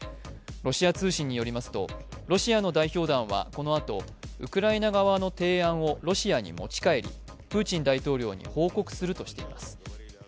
ロシア通信によりますとロシアの代表団はこのあとウクライナ側の提案をロシアに持ち帰りプーチン大統領に報告するとしています。